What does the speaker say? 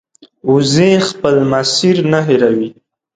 وزې خپل مسیر نه هېروي